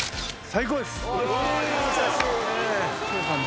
最高です！